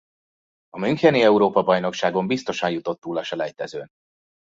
A müncheni Európa-bajnokságon biztosan jutott túl a selejtezőn.